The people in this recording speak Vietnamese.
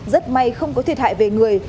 rất may không có thiệt hại về người